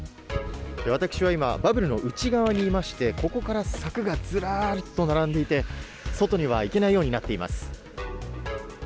私は今、バブルの内側にいまして、ここから柵がずらりと並んでいて、外には行けないようになっています。